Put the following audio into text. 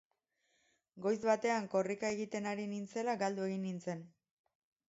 Goiz batean korrika egiten ari nintzela galdu egin nintzen.